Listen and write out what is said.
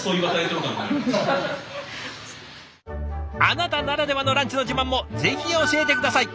あなたならではのランチの自慢もぜひ教えて下さい。